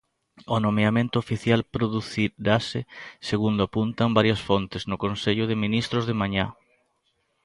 O nomeamento oficial producirase, segundo apuntan varias fontes, no Consello de Ministros de mañá.